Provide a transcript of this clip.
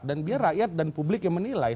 dan biar rakyat dan publik yang menilai